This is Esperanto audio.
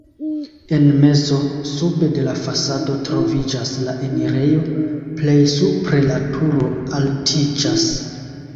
En mezo, sube de la fasado troviĝas la enirejo, plej supre la turo altiĝas.